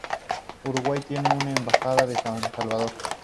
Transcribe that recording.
Uruguay tiene una embajada en San Salvador.